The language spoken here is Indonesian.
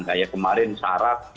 kayak kemarin syarat